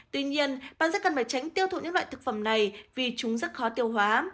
tuy nhiên bạn rất cần phải tránh tiêu thụ những loại thực phẩm này vì chúng rất khó tiêu hóa